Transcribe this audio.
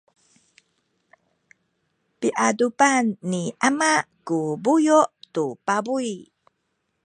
piadupan ni ama ku buyu’ tu pabuy.